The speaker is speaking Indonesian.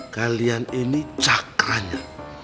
kalian ini cakranya